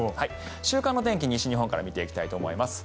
週間の天気、西日本から見ていきたいと思います。